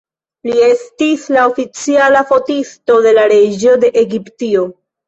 Li estis la oficiala fotisto de la reĝo de Egiptio.